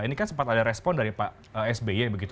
ini kan sempat ada respon dari pak sby begitu